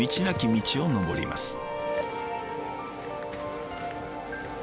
なき道を登ります。